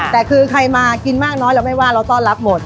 แต่คือใครมากินมากน้อยเราไม่ว่าเราต้อนรับหมด